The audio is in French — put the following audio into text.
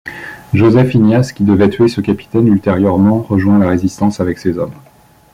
Joseph Ignace, qui devait tuer ce capitaine ultérieurement, rejoint la résistance avec ses hommes.